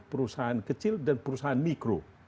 perusahaan kecil dan perusahaan mikro